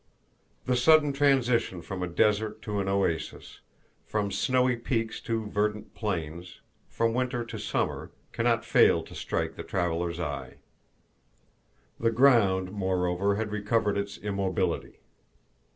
The sudden transition from a desert to an oasis, from snowy peaks to verdant plains, from Winter to Summer, can not fail to strike the traveler's eye. The ground, moreover, had recovered its immobility.